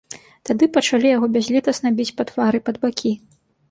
Тады пачалі яго бязлітасна біць па твары, пад бакі.